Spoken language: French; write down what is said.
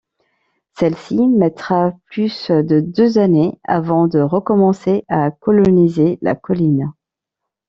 Celle-ci mettra plus de deux années avant de recommencer à coloniser la colline.